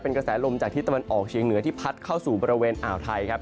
เป็นกระแสลมจากทิศวันออกเชียงเหนือที่พัฒน์เข้าสู่ภางภาคอ่าวไทยครับ